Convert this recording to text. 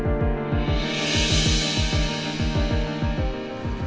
pengorbanan yang tidak bisa dikendalikan